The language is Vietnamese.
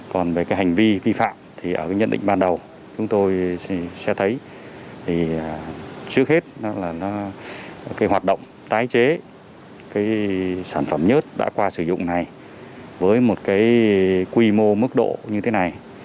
còn về hành vi vi phạm thì ở nhận định ban đầu chúng tôi sẽ thấy trước hết hoạt động tái chế sản phẩm nhớt đã qua sử dụng này với một quy mô mức độ như thế này